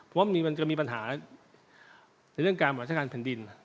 เพราะว่ามันจะมีปัญหาในเรื่องการบรัชการแผ่นดิน